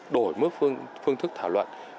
đổi mức phương thức thảo luận